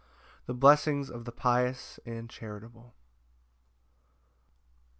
The blessings of the pious and charitable.